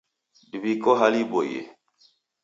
Ndw'iko hali iboie.